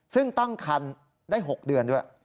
ซึ่งตั้งคันได้๖เดือนด้วย